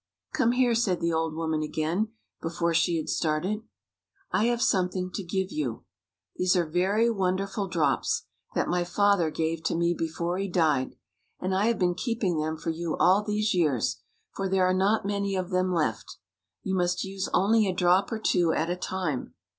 " Come here," said the old woman again, before she had started. " I have something to give you. These are very wonderful drops, that my father gave to me before he died, and I have been keeping them for you all these years, for there are not many of them left. You must use only a drop or two at a. time."